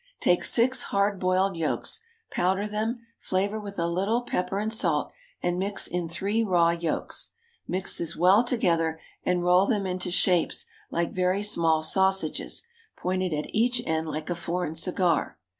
Take six hard boiled yolks, powder them, flavour with a little pepper and salt, and mix in three raw yolks; mix this well together, and roll them into shapes like very small sausages, pointed at each end like a foreign cigar.